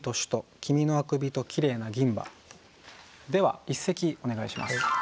では一席お願いします。